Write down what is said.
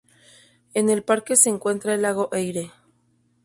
En el parque se encuentra el Lago Eyre.